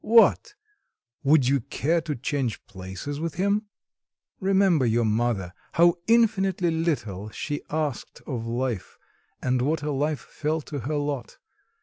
What! would you care to change places with him? Remember your mother; how infinitely little she asked of life, and what a life fell to her lot.